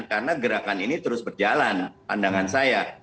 karena gerakan ini terus berjalan pandangan saya